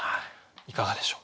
いかがでしょう？